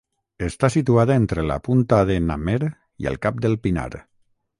Està situada entre la Punta de n'Amer i el Cap del Pinar.